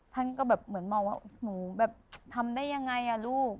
ท่านก็แบบเหมือนมองว่าหนูแบบทำได้ยังไงอ่ะลูก